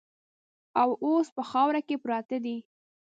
او اوس په خاورو کې پراته دي.